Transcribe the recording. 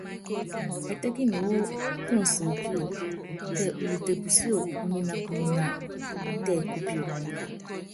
Ɛtɛ́kini wu túnsopio, tɛ ulute pusíó, uminakumina tɛ kupio.